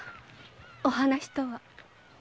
お話とは？